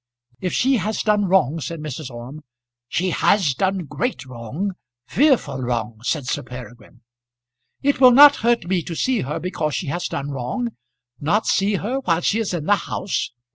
"If she has done wrong," said Mrs. Orme "She has done great wrong fearful wrong," said Sir Peregrine. "It will not hurt me to see her because she has done wrong. Not see her while she is in the house!